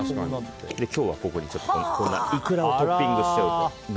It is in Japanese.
今日は、ここにイクラをトッピングしようと。